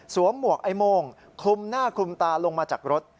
หมวกไอ้โม่งคลุมหน้าคลุมตาลงมาจากรถ